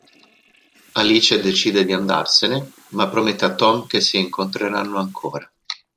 Alice decide di andarsene, ma promette a Tom che si incontreranno ancora.